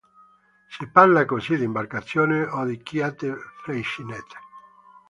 Si parla così d'imbarcazioni o di "chiatte Freycinet".